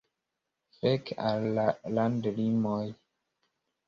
Fek al la landlimoj.